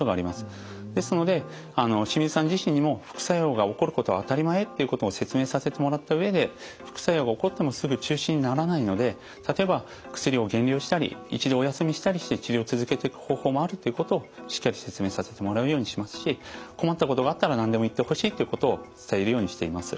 ですので清水さん自身にも副作用が起こることは当たり前っていうことを説明させてもらった上で副作用が起こってもすぐ中止にならないので例えば薬を減量したり一度お休みしたりして治療を続けていく方法もあるということをしっかり説明させてもらうようにしますし困ったことがあったら何でも言ってほしいということを伝えるようにしています。